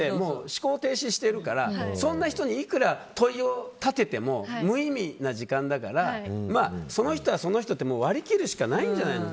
思考停止してるからそんな人にいくら問いを立てても無意味な時間だからその人はその人って割り切るしかないんじゃないの。